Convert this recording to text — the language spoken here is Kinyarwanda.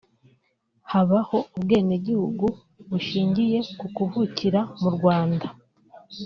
Habaho ubwenegihugu bushingiye ku kuvukira mu Rwanda